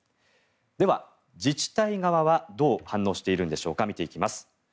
では、自治体側はどう反応しているんでしょうか見ていきます。